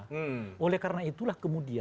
jadi memang bukan era mereka